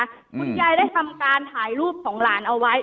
คุณยายได้ทำการถ่ายรูปของหลานเอาไว้